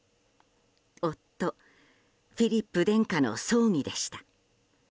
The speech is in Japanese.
夫フィリップ殿下の葬儀でした。